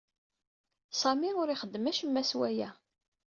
Sami ur ixeddem acemma s waya.